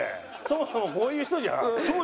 そもそもこういう人じゃん。